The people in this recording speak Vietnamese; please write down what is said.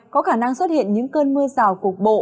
có khả năng xuất hiện những cơn mưa rào cục bộ